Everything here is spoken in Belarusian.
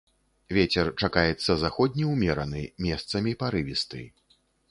Вецер чакаецца заходні ўмераны, месцамі парывісты.